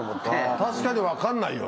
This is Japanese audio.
確かに分かんないよね。